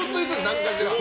何かしら。